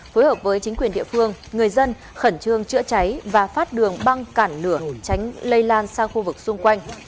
phối hợp với chính quyền địa phương người dân khẩn trương chữa cháy và phát đường băng cản lửa tránh lây lan sang khu vực xung quanh